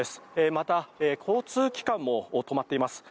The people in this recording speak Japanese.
また交通機関も止まっています。